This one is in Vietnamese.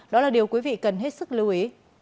đó là điều quý vị cần hết sức lưu ý